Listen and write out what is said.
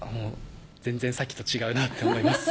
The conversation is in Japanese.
全然さっきと違うなって思います。